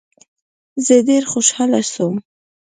زه ډیر خوشحاله سوم.